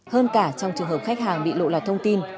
hơn cả trong trường hợp khách hàng bị lộ lọt thông tin